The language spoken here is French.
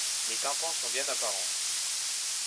Les tympans sont bien apparents.